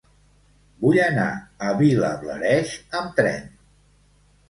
Vull anar a Vilablareix amb tren.